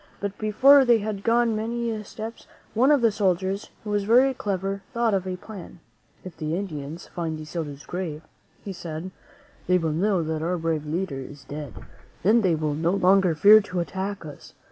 But before they had gone many steps, one of the soldiers, who was very clever, thought of a plan. "If the Indians find De Soto's grave," he said, "they will know that our brave leader is dead. Then they will no longer fear to attack us.